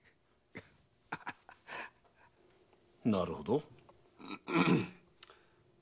なるほど。